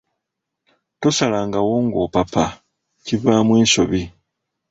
Tosalangawo ng’opapa, kivaamu ensobi.